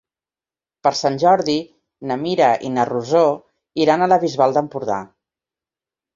Per Sant Jordi na Mira i na Rosó iran a la Bisbal d'Empordà.